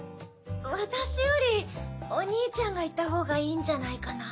私よりお兄ちゃんが行ったほうがいいんじゃないかな。